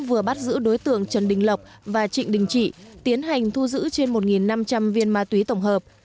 vừa bắt giữ đối tượng trần đình lộc và trịnh đình trị tiến hành thu giữ trên một năm trăm linh viên ma túy tổng hợp